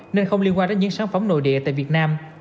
nên không liên quan đến những sản phẩm nội địa tại việt nam